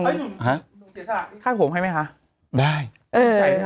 โถ่และค่ะทำเพราะมั้ยคะ